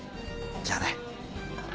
じゃあね。